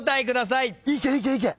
いけいけいけ。